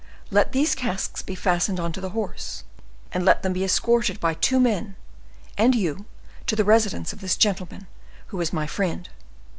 Let these casks be fastened on to the horse, and let them be escorted by two men and you to the residence of this gentleman, who is my friend.